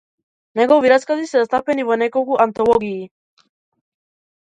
Негови раскази се застапени во неколку антологии.